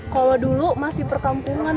kalau dulu masih perkampungan